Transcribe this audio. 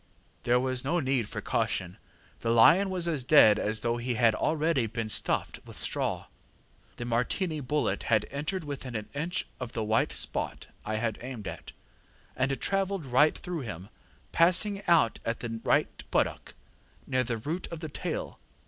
ŌĆ£There was no need for caution; the lion was as dead as though he had already been stuffed with straw. The Martini bullet had entered within an inch of the white spot I had aimed at, and travelled right through him, passing out at the right buttock, near the root of the tail.